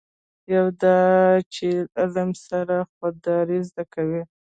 یو دا چې له علم سره خودداري زده کوي.